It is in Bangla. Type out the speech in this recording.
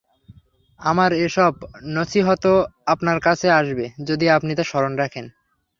আমার এসব নসীহত আপনার কাজে আসবে, যদি আপনি তা স্মরণ রাখেন।